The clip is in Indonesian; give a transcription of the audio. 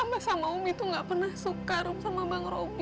abah sama umi tuh gak pernah suka rum sama bang robi